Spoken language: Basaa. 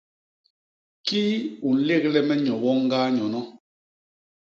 Kii u nlégle me nyo woñ ñgaa nyono?